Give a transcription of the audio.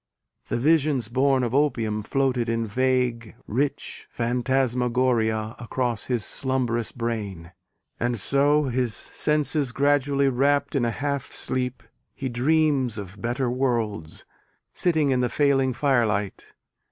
The visions born of opium floated in vague, rich phantasmagoria across his slumbrous brain, And so, his senses gradually wrapt In a half sleep, he dreams of better worlds, sitting in the failing firelight.